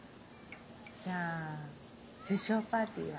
じゃあ受賞パーティーは。